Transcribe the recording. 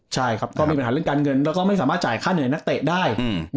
ใช่ครับก็มีปัญหาเรื่องการเงินแล้วก็ไม่สามารถจ่ายค่าเหนื่อยนักเตะได้